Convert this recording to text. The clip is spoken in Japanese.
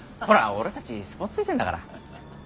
俺たちスポーツ推薦だから。